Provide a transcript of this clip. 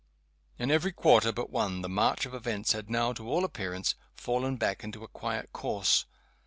In every quarter but one the march of events had now, to all appearance, fallen back into a quiet course.